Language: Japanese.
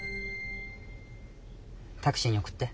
タクシーにおくって。